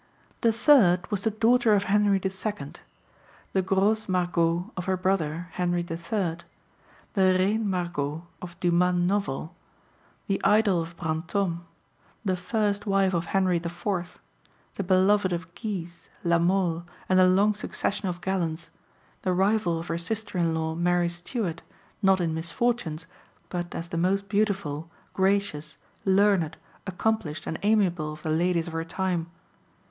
The third was the daughter of Henry II., the "Grosse Margot" of her brother, Henry III., the "Reine Margot" of Dumas' novel, the idol of Brantôme, the first wife of Henry IV., the beloved of Guise, La Mole, and a long succession of gallants, the rival of her sister in law Mary Stuart, not in misfortunes, but as the most beautiful, gracious, learned, accomplished, and amiable of the ladies of her time.